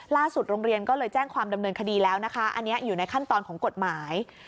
โรงเรียนก็เลยแจ้งความดำเนินคดีแล้วนะคะอันนี้อยู่ในขั้นตอนของกฎหมาย